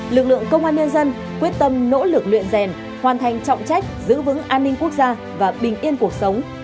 lực lượng công an nhân dân quyết tâm nỗ lực luyện rèn hoàn thành trọng trách giữ vững an ninh quốc gia và bình yên cuộc sống